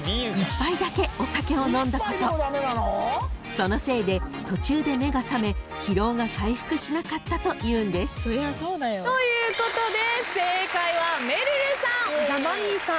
［そのせいで途中で目が覚め疲労が回復しなかったというんです］ということで正解はめるるさんザ・マミィさん